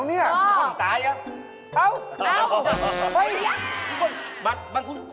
นี่คือที่เดียวกับเขาแล้ว